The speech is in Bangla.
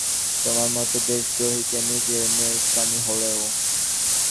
তোমার মতো দেশদ্রোহী কে, নিজের মেয়ের স্বামী হলেও।